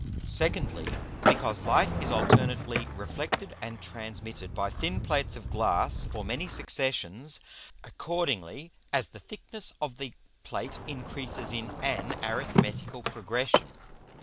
Secondly, Because Light is alternately reflected and transmitted by thin Plates of Glass for many Successions, accordingly as the thickness of the Plate increases in an arithmetical Progression.